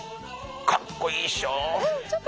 かっこいいっしょ！